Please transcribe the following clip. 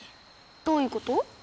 どういうこと？